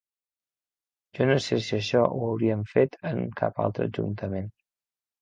Jo no sé si això ho haurien fet en cap altre ajuntament.